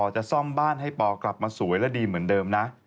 จะซ่อมบ้านให้ปอกลับมาสวยและดีเหมือนเดิมนะ